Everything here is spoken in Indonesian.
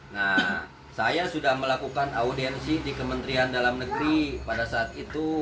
nah saya sudah melakukan audiensi di kementerian dalam negeri pada saat itu